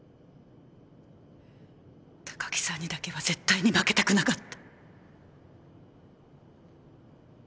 高城さんにだけは絶対に負けたくなかった。